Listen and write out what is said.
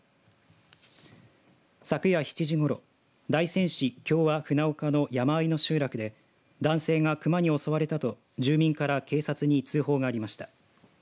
昨夜７時ごろ大仙市協和船岡の山あいの集落で男性が熊に襲われたと住民から警察に通報がありました。